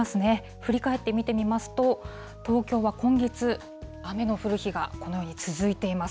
振り返って見てみますと、東京は今月、雨の降る日がこのように続いています。